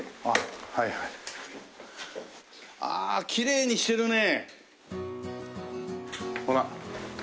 ああきれいにしてるねえ。